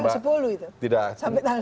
sampai tahun sepuluh itu